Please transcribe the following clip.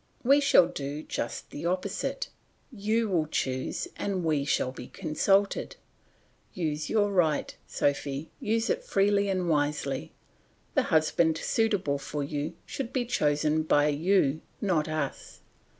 We shall do just the opposite; you will choose, and we shall be consulted. Use your right, Sophy, use it freely and wisely. The husband suitable for you should be chosen by you not us.